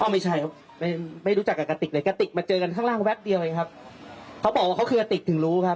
ไม่ใช่ครับไม่ไม่รู้จักกับกะติกเลยกระติกมาเจอกันข้างล่างแป๊บเดียวเองครับเขาบอกว่าเขาคือกระติกถึงรู้ครับ